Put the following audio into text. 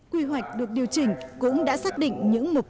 quy hoạch được điều chỉnh cũng đã xác định những mục tiêu